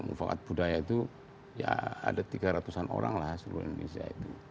mufakat budaya itu ya ada tiga ratusan orang lah di seluruh indonesia itu